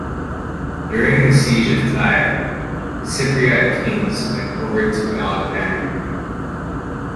During the siege of Tyre, the Cypriot Kings went over to Alexander the Great.